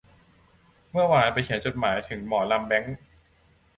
เมื่อวานไปเขียนจดหมายถึงหมอลำแบงค์